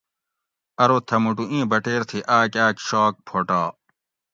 ارو تھہ موٹو ایں بٹیر تھی آک آک شاک پھوٹا